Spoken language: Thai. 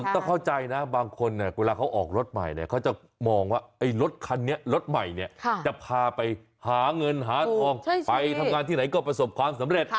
ต้องเข้าใจนะบางคนเวลาเขาออกรถใหม่เนี่ยเขาจะมองว่าไอ้รถคันนี้รถใหม่เนี่ยจะพาไปหาเงินหาทองไปทำงานที่ไหนก็ประสบความสำเร็จ